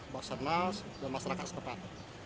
masa malam masyarakat setempat